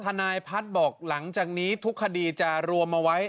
ทนายพัฒน์บอกหลังจากนี้ทุกคดีจะรวมเอาไว้